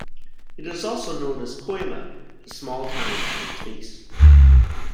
It is also known as Koyma, the small town at its base.